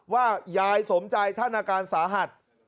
ว่ายายสมใจท่านอาการสาหัส